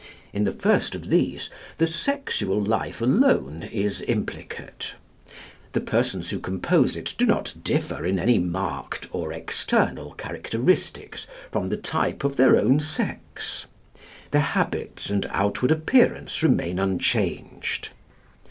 In the first of these, the sexual life alone is implicate; the persons who compose it do not differ in any marked or external characteristics from the type of their own sex; their habits and outward appearance remain unchanged.